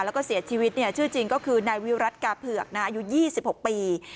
แล้วก็เสียชีวิตชื่อจริงก็คือนายวิรัติกาเผือกอายุ๒๖ปี